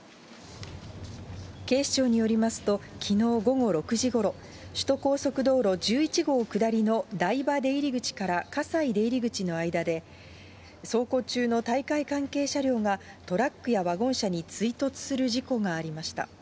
警視庁によりますと、きのう午後６時ごろ、首都高速道路１１号下りの台場出入り口から葛西出入り口の間で、走行中の大会関係車両が、トラックやワゴン車に追突する事故がありました。